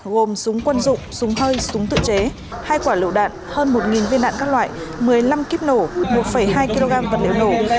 gồm súng quân dụng súng hơi súng tự chế hai quả lựu đạn hơn một viên đạn các loại một mươi năm kíp nổ một hai kg vật liệu nổ